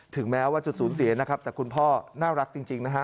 แม้ว่าจะสูญเสียนะครับแต่คุณพ่อน่ารักจริงนะฮะ